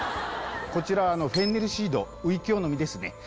こちらフェンネルシードウイキョウの実ですね。